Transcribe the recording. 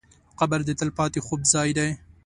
قبر د تل پاتې خوب ځای دی.